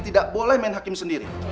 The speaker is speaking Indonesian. tidak boleh main hakim sendiri